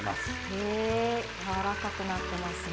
へえやわらかくなってますね。